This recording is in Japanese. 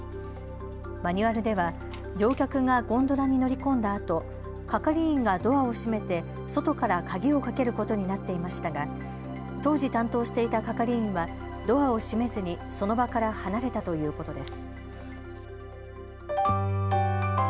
マニュアルでは乗客がゴンドラに乗り込んだあと係員がドアを閉めて外から鍵をかけることになっていましたが当時担当していた係員はドアを閉めずにその場から離れたということです。